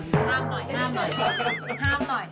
ห้ามหน่อยห้ามหน่อย